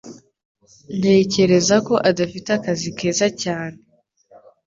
Ntekereza ko adafite akazi keza cyane.